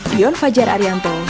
dion fajar arianto tubang